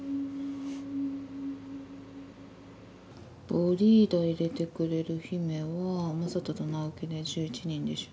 ヴォリーダ入れてくれる姫はＭａｓａｔｏと直樹で１１人でしょ。